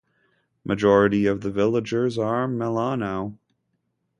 Majority of the villagers are Melanau.